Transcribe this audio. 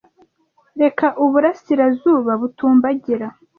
reka uburasirazuba butumbagira